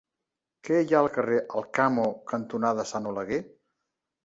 Què hi ha al carrer Alcamo cantonada Sant Oleguer?